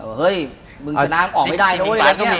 เฮ้ยมึงชนะออกไม่ได้เนาะ